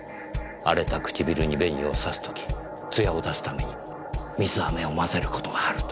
荒れた唇に紅をさす時つやを出すために水飴を混ぜる事があると。